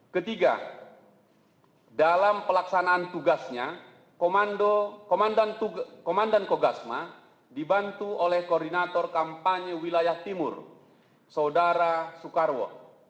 ketiga dalam pelaksanaan tugasnya komandan kogasma dibantu oleh koordinator kampanye wilayah timur saudara soekarwo